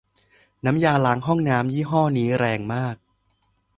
น้ำยาล้างห้องน้ำยี่ห้อนี้แรงมาก